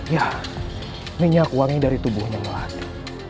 ya minyak wangi dari tubuhnya melati